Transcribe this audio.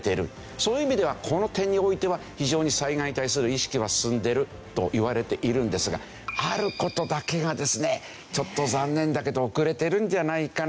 そういう意味ではこの点においては非常に災害に対する意識は進んでるといわれているんですがある事だけがですねちょっと残念だけど遅れてるんじゃないかな？